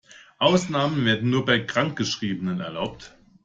Ausnahmen werden nur bei Krankgeschriebenen erlaubt.